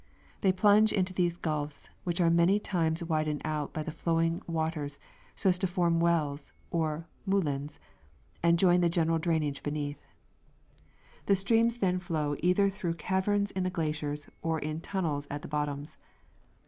They plunge into the gulfs, which are many times Avidened out by the flow ing waters so as to form wells, or moulins, and join the general drainage beneath. The streams then flow either through caverns in the glaciers or in tunnels at the bottoms.